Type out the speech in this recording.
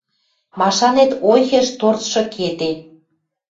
Машанет, ойхеш торцшы кеде.